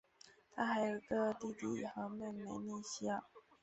他还有一个弟弟和妹妹内奥米。